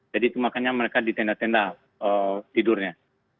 jadi makanya mereka di tenda tenda tidurnya